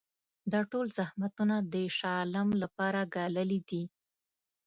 دا ټول زحمتونه د شاه عالم لپاره ګاللي دي.